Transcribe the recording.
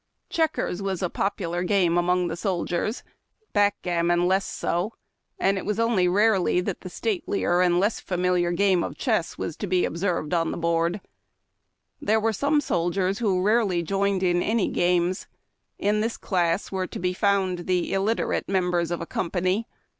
Chequers was a popular game among the soldiers, back gammon less so, and it was only rarely that the statelier and STOCKADED A TENTS. less familiar game of chess was to be observed on the board. There were some soldiers who rarely joined in any games. In this class were to be found the illiterate members of a company.